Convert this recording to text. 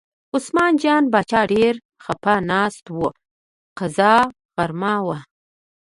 عثمان جان باچا ډېر خپه ناست و، قضا غرمه وه.